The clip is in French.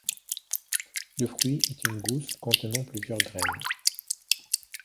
Le fruit est une gousse, contenant plusieurs graines.